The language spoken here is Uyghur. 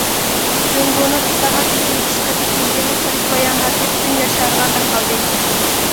جۇڭگونىڭ ئىسلاھات، ئېچىۋېتىشنى قەتئىي ئىلگىرى سۈرۈش باياناتى پۈتۈن يەر شارىغا تارقالدى.